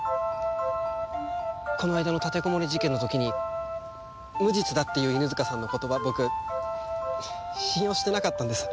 この間の立てこもり事件の時に無実だっていう犬塚さんの言葉僕信用してなかったんです。